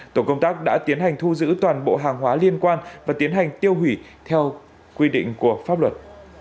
tổ công tác đã tiến hành thu giữ toàn bộ hàng hóa liên quan và tiến hành tiêu hủy theo quy định của pháp luật